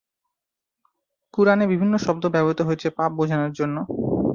কুরআনে বিভিন্ন শব্দ ব্যবহৃত হয়েছে পাপ বোঝানোর জন্য।